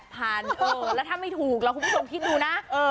แล้วถ้าไม่ถูกคุณผู้ชมคิดดูนะ